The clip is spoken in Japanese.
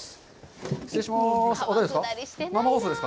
失礼します。